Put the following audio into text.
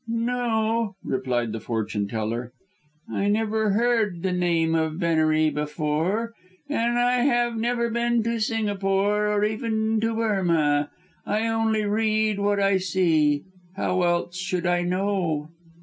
"No," replied the fortune teller. "I never heard the name of Venery before, and I have never been to Singapore or even to Burmah. I only read what I see. How else should I know?"